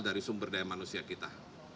dan kelebihan sumber daya manusia kita